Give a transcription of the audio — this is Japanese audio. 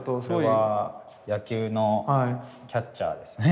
これは野球のキャッチャーですね。